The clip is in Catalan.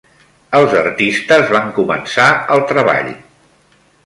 Els artistes van començar el treball